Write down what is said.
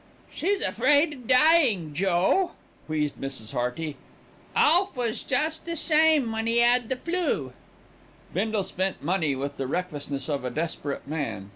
"She's afraid o' dying, Joe," wheezed Mrs. Hearty "Alf was just the same when 'e 'ad the flu." Bindle spent money with the recklessness of a desperate man.